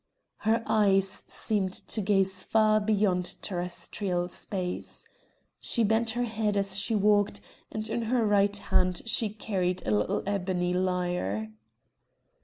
Her eyes seemed to gaze far beyond terrestrial space. She bent her head as she walked, and in her right hand she carried a little ebony lyre.